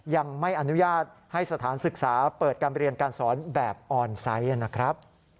ยังไม่อนุญาตให้สถานศึกษาเปิดการเรียนการสอนแบบออนไซต์นะครับ